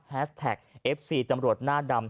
แท็กเอฟซีตำรวจหน้าดำ